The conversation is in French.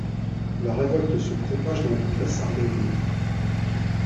La révolte se propage dans toute la Sardaigne.